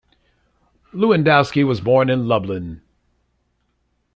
Lewandowski was born in Lublin.